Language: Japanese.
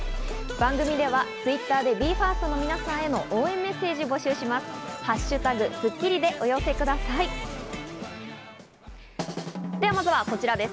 番組ではＴｗｉｔｔｅｒでＢＥ：ＦＩＲＳＴの皆さんへの応援メッセージを募集します。